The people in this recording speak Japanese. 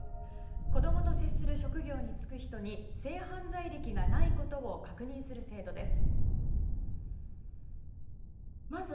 子供と接する職業に就く人に性犯罪歴がないことを確認する制度です。